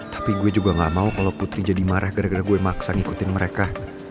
tapi gue juga gak mau kalau putri jadi marah gara gara gue maksa ngikutin mereka